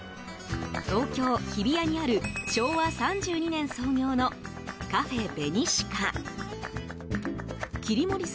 東京・日比谷にある昭和３２年創業のカフェ紅鹿舎。